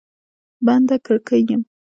بنده کړکۍ یم